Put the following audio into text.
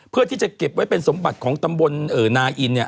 เพื่อที่จะเก็บไว้เป็นสมบัติของตำบลนาอินเนี่ย